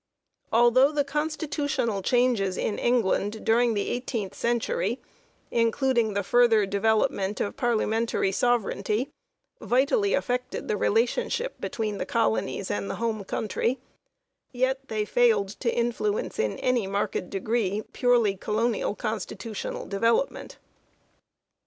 Although the constitutional changes in England during the eight eenth century, including the further development of Parliamentary sovereignty, vitally affected the relation ship between the colonies and the home country, yet they failed to influence in any marked degree purely colonial constitutional development.